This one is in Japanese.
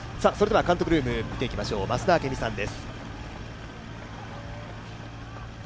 監督ルームを見ていきましょう、増田明美さんです。